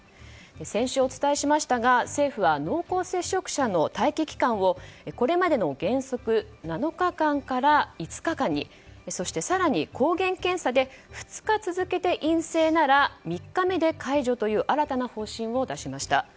先週お伝えしましたが政府は濃厚接触者の待機期間をこれまでの原則７日間から５日間にそして更に抗原検査で２日続けて陰性なら３日目で解除という新たな方針を出しました。